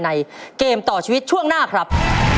ในเกมต่อชีวิตช่วงหน้าครับ